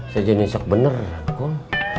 saya jadi nyesek bener kum